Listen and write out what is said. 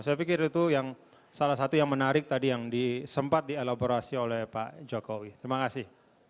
saya pikir itu salah satu yang menarik tadi yang sempat dielaborasi oleh pak jokowi terima kasih